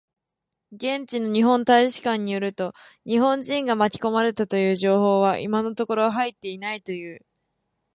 現地の日本大使館によると、日本人が巻き込まれたという情報は今のところ入っていないという。